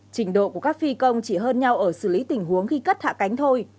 trình độ của các phi công chỉ hơn nhau ở xử lý tình huống khi cất hạ cánh thôi